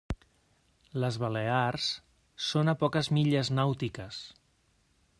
Les Balears són a poques milles nàutiques.